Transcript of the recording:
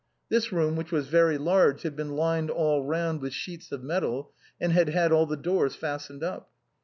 This room, which was very large, had been lined all round with sheets of metal, and had had all the doors fastened up.